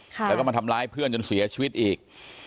แล้วก็มาทำร้ายเพื่อนจนเสียชีวิตอีก